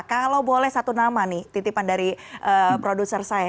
kalau boleh satu nama nih titipan dari produser saya